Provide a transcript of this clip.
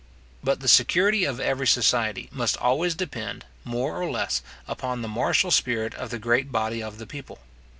But the security of every society must always depend, more or less, upon the martial spirit of the great body of the people.